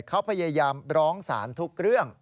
เขาพยายามร้องศาลทุกเรื่อง